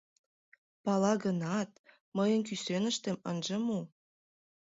Пала гынат, мыйын кӱсеныштем ынже му...